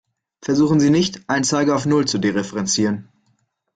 Versuchen Sie nicht, einen Zeiger auf null zu dereferenzieren.